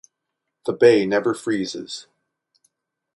The bay never freezes.